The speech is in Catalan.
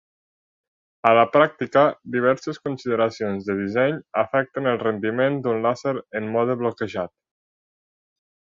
A la pràctica, diverses consideracions de disseny afecten el rendiment d'un làser en mode bloquejat.